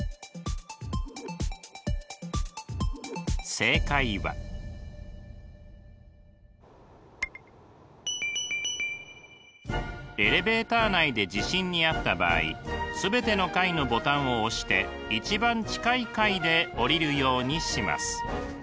正解はエレベーター内で地震にあった場合すべての階のボタンを押して一番近い階でおりるようにします。